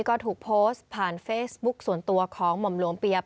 ฉันก็คงต้องบอกฉันรักเธอเหมือนเคย